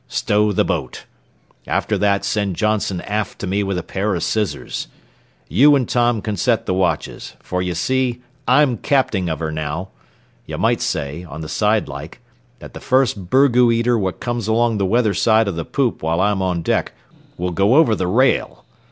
Stow the boat. After that send Johnson aft to me with a pair o' scissors. You an' Tom can set the watches, fer ye see I'm capting of her now. Ye might say, on the side like, that the first burgoo eater what comes along the weather side o' the poop while I'm on deck will go over the rail.